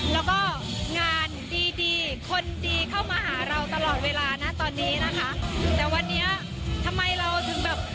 แล้วก็งานดีดีคนดีเข้ามาหาเราตลอดเวลานะตอนนี้นะคะแต่วันนี้ทำไมเราถึงแบบ